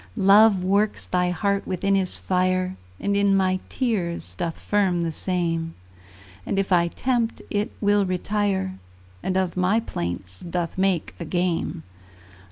Love works thy heart within his fire, And in my tears doth firm the same; And if I tempt, it will retire, And of my plaints doth make a game.